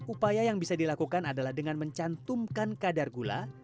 upaya yang bisa dilakukan adalah dengan mencantumkan kadar gula